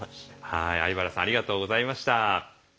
はい相原さんありがとうございました。